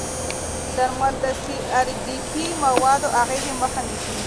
درمل د سي ار جي پي موادو اغېزې مخه نیسي.